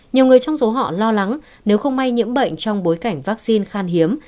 nhiều người trong số họ lo lắng nếu không may nhiễm bệnh trong bối cảnh vaccine khan hiếm